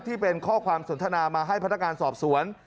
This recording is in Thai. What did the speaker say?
ที่เป็นข้อความสนทนามาให้พนักงานสอบสวน